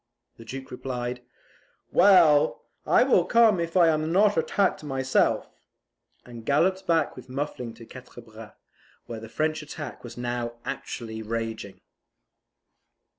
The Duke replied, "Well, I will come if I am not attacked myself," and galloped back with Muffling to Quatre Bras, where the French attack was now actually raging.